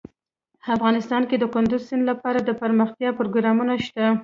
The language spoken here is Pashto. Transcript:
افغانستان کې د کندز سیند لپاره دپرمختیا پروګرامونه شته.